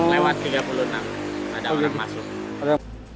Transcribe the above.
lewat tiga puluh enam ada orang masuk